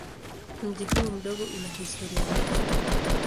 Mji huu mdogo una historia ndefu.